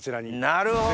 なるほど。